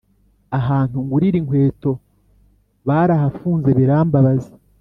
ahantu ngurira inkweto barahafunze birambabaza